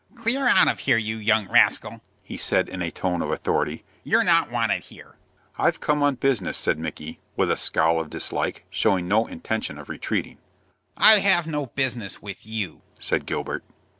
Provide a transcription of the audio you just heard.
"Clear out of here, you young rascal!" he said, in a tone of authority. "You're not wanted here." "I've come on business," said Micky, with a scowl of dislike, showing no intention of retreating. "I have no business with you," said Gilbert.